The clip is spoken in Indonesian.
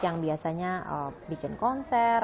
yang biasanya bikin konser